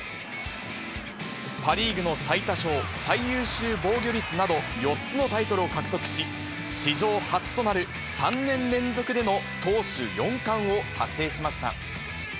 パ・リーグの最多勝、最優秀防御率など、４つのタイトルを獲得し、史上初となる３年連続での投手４冠を達成しました。